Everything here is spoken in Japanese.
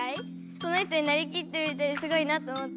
その人になりきっていてすごいなと思った。